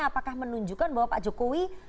apakah menunjukkan bahwa pak jokowi